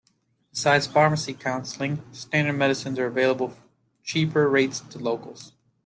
Besides pharmacy counseling, standard medicines are available for cheaper rates to locals.